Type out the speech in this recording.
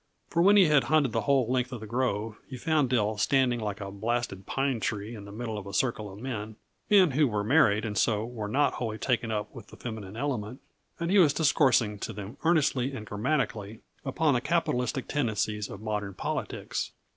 For when he had hunted the whole length of the grove, he found Dill standing like a blasted pine tree in the middle of a circle of men men who were married, and so were not wholly taken up with the feminine element and he was discoursing to them earnestly and grammatically upon the capitalistic tendencies of modern politics.